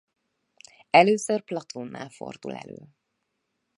Először Platónnál fordul elő.